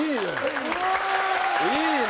いいね！